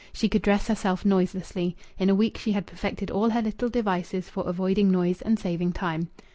She could dress herself noiselessly; in a week she had perfected all her little devices for avoiding noise and saving time.